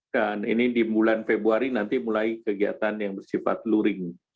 dan ini di bulan februari nanti mulai kegiatan yang bersifat luring